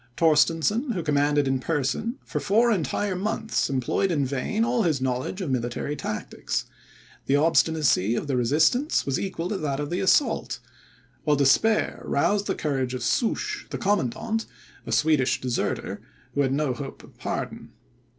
Torstensohn, who commanded in person, for four entire months employed in vain all his knowledge of military tactics; the obstinacy of the resistance was equal to that of the assault; while despair roused the courage of Souches, the commandant, a Swedish deserter, who had no hope of pardon.